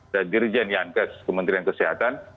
dirjen yankes kementerian kesehatan